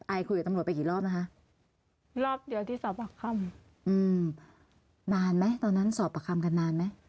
คุยกับตำรวจไปกี่รอบนะคะรอบเดียวที่สอบพ่อมอืมนานไหมตอนนั้นสอบประคำกันนานไหม